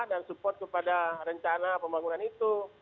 dan support kepada rencana pembangunan itu